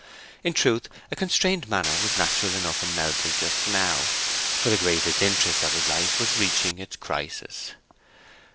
In truth a constrained manner was natural enough in Melbury just now, for the greatest interest of his life was reaching its crisis.